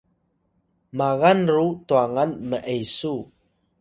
magan ru twangan m’esu